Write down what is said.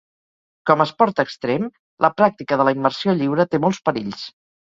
Com a esport extrem, la pràctica de la immersió lliure té molts perills.